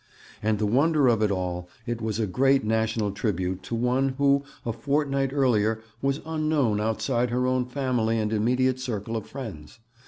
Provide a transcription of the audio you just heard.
And the wonder of it all, it was a great national tribute to one who a fortnight earlier was unknown outside her own family and immediate circle of friends.